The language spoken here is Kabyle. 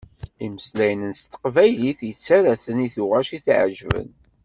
Imeslayen s teqbaylit yettarra-ten i tuγac i t-iεjeben.